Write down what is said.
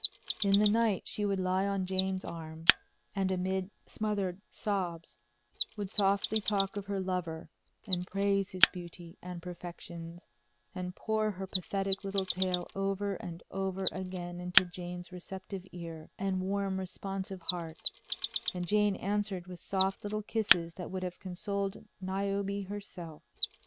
In the night she would lie on Jane's arm, and amid smothered sobs, would softly talk of her lover, and praise his beauty and perfections, and pour her pathetic little tale over and over again into Jane's receptive ear and warm responsive heart; and Jane answered with soft little kisses that would have consoled Niobe herself.